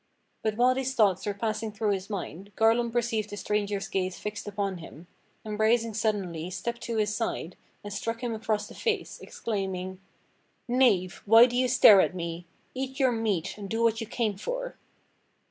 But while these thoughts were passing through his mind, Garlon perceived the stranger's gaze fixed upon him; and rising suddenly stepped to his side, and struck him across the face, exclaiming: "Knave, why do j'ou stare at me? Eat your meat and do what you came for!"